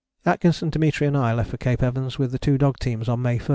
Atkinson, Dimitri and I left for Cape Evans with the two dog teams on May 1.